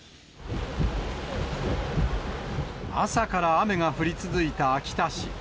朝から雨が降り続いた秋田市。